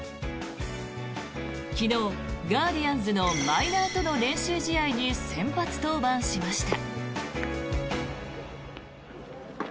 昨日、ガーディアンズのマイナーとの練習試合に先発登板しました。